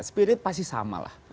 spirit pasti sama lah